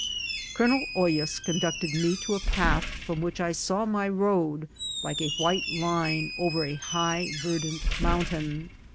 Colonel Hoyas conducted me to a path, from which I saw my road, like a white line, over a high verdant mountain.